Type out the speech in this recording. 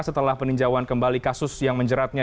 setelah peninjauan kembali kasus yang menjeratnya